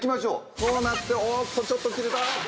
こうなっておっとちょっと切れた。